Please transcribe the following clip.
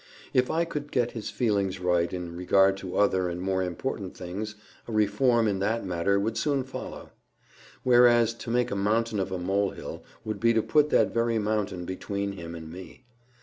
If I could get his feelings right in regard to other and more important things, a reform in that matter would soon follow; whereas to make a mountain of a molehill would be to put that very mountain between him and me.